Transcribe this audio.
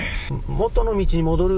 元の道に戻る。